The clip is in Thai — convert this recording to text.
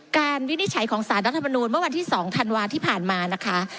วินิจฉัยของสารรัฐมนูลเมื่อวันที่๒ธันวาที่ผ่านมานะคะ